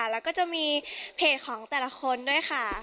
แล้วก็จะมีเพจของแต่ละคนด้วยค่ะ